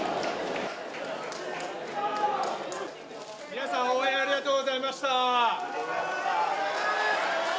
皆さん、応援ありがとうございました。